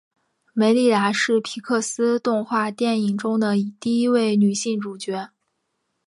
梅莉达是皮克斯动画电影中的第一位女性主角。